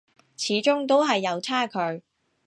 始終都係有差距